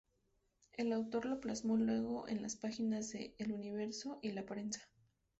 El autor lo plasmó luego en las páginas de "El Universo" y "La Prensa".